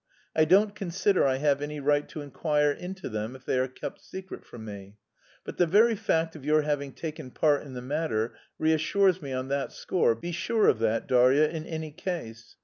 I don't consider I have any right to inquire into them, if they are kept secret from me. But the very fact of your having taken part in the matter reassures me on that score, be sure of that, Darya, in any case.